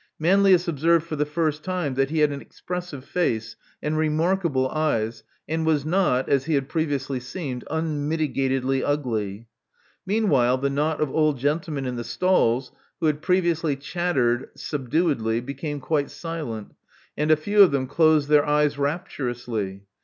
Manlius observed for the first time that he had an expressive face and remarkable eyes, and was not, as he had previously seemed, unmitigatedly ugly. Meanwhile the knot of old gentlemen in the stalls, who had previously chattered subduedly, became quite silent; and a few of them closed their eyes rapturously.